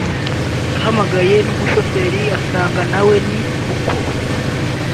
ahamagaye n’umushoferi asanga na we ni uko